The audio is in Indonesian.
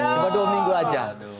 cuma dua minggu aja